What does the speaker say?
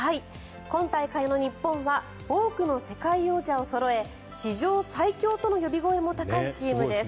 今大会の日本は多くの世界王者をそろえ史上最強との呼び声も高いチームです。